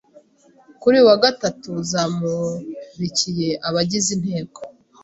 kuri uyu wa gatatu zamurikiye abagize inteko